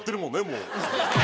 もう。